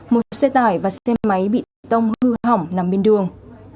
một xe tải và xe máy bị tông hư hỏng nằm bên đường